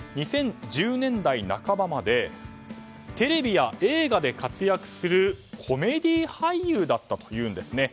２０１０年代半ばまでテレビや映画で活躍するコメディー俳優だったんです。